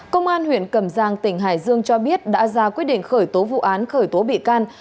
công an huyện cầm giang tỉnh hải dương cho biết đã ra quyết định khởi tố vụ án khởi tố bị can